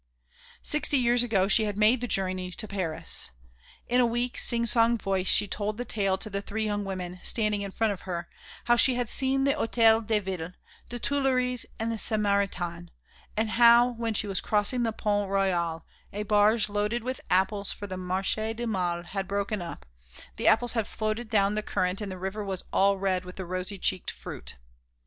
Sixty years ago she had made the journey to Paris. In a weak sing song voice she told the tale to the three young women, standing in front of her, how she had seen the Hôtel de Ville, the Tuileries and the Samaritaine, and how, when she was crossing the Pont Royal, a barge loaded with apples for the Marché du Mail had broken up, the apples had floated down the current and the river was all red with the rosy cheeked fruit.